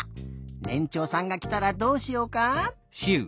ねんちょうさんがきたらどうしようか？